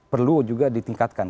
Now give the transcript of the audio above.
perlu juga ditingkatkan